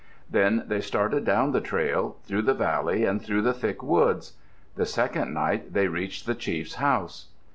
Then they started down the trail, through the valley and through the thick woods. The second night they reached the chief's house.